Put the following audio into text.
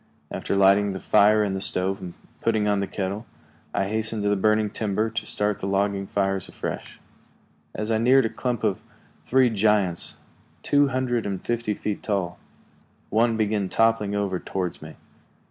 After lighting the fire in the stove and putting on the kettle, I hastened to the burning timber to start the logging fires afresh. As I neared a clump of three giants, two hundred and fifty feet tall, one began toppling over toward me.